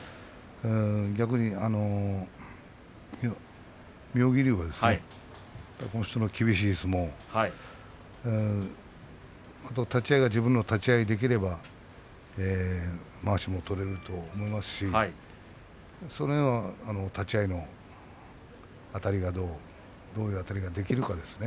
逆に妙義龍はこの人の厳しい相撲あと立ち合いが自分の立ち合いをできればまわしも取れると思いますしその辺は、立ち合いのあたりどういうあたりができるかですね。